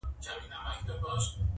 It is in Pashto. پاچهي دي مبارک سه چوروندکه!!